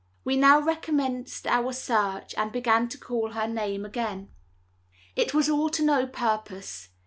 We now recommenced our search, and began to call her name again. It was all to no purpose.